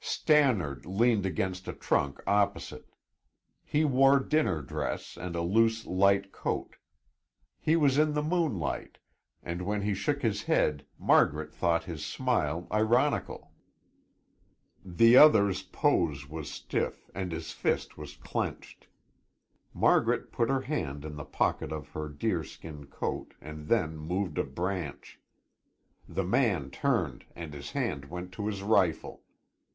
Stannard leaned against a trunk opposite. He wore dinner dress and a loose light coat. He was in the moonlight, and when he shook his head Margaret thought his smile ironical. The other's pose was stiff and his fist was clenched. Margaret put her hand in the pocket of her deerskin coat and then moved a branch. The man turned and his hand went to his rifle.